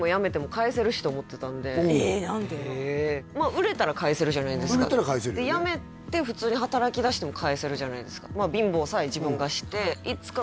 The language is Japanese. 売れたら返せるじゃないですか売れたら返せるで辞めて普通に働きだしても返せるじゃないですか